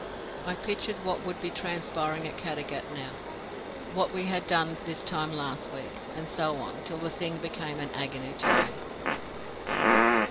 I pictured what would be transpiring at Caddagat now; what we had done this time last week, and so on, till the thing became an agony to me.